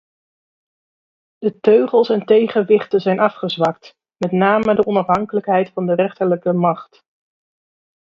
De teugels en tegenwichten zijn afgezwakt, met name de onafhankelijkheid van de rechterlijke macht.